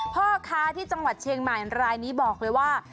พ่อค้าที่จังหวัดเชียงใหม่รายนี้บอกเลยว่า